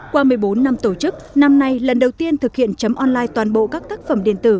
qua một mươi bốn năm tổ chức năm nay lần đầu tiên thực hiện chấm online toàn bộ các tác phẩm điện tử